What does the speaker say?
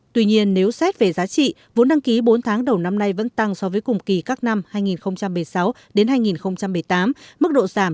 tuy nhiên nếu xét về giá trị vốn đăng ký bốn tháng đầu năm nay vẫn tăng so với cùng kỳ các năm hai nghìn một mươi sáu hai nghìn một mươi tám mức độ giảm trong tháng cũng ít hơn so với ba tháng đầu năm